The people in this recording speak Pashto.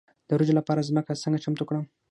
د وریجو لپاره ځمکه څنګه چمتو کړم؟